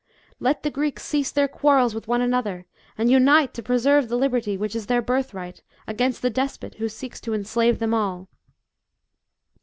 " Let the Greeks cease their quarrels with one another and unite to preserve the liberty, which is their birthright, against the despot who seeks to ettslave them all."